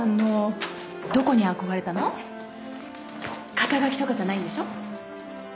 肩書とかじゃないんでしょ。